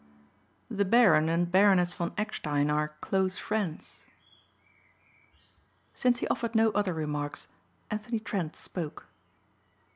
"The Baron and Baroness von Eckstein are close friends." Since he offered no other remarks Anthony Trent spoke.